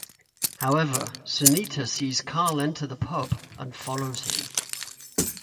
However, Sunita sees Karl enter the pub and follows him.